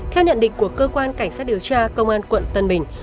theo nhận định của cơ quan cảnh sát điều tra công an quận tân bình